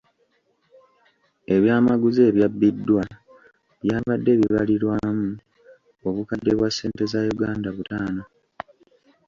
Ebyamaguzi ebyabbiddwa byabadde bibalirirwamu obukadde bwa ssente za Uganda butaano.